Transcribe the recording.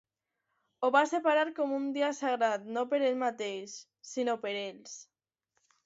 Ho va separar com un dia sagrat no per ell mateix, sinó per ells.